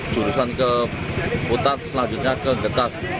jurusan ke putat selanjutnya ke getas